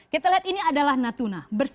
kita lihat ini adalah natuna